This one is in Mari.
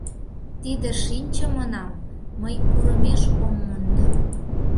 Тиде шинчымынам мый курымеш ом мондо.